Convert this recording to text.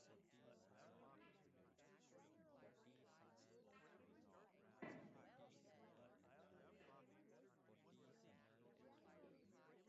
Most of this diary takes place in France, particularly Clichy, Paris and Louveciennes.